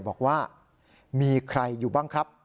บอกว่ามีใครอยู่บ้างครับ